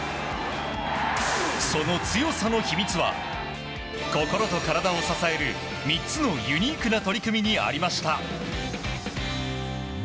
その強さの秘密は心と体を支える３つのユニークな取り組みにありました。